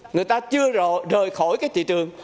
người ta chưa rời khỏi cái thị trường